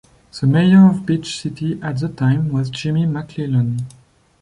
The mayor of Beach City at the time was Jimmy McClellan.